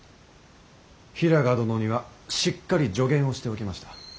平賀殿にはしっかり助言をしておきました。